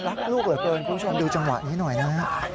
รักลูกเหลือเกินคุณผู้ชมดูจังหวะนี้หน่อยนะฮะ